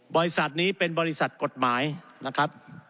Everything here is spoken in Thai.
บริษัทนี้เป็นบริษัทกฎหมายนะครับ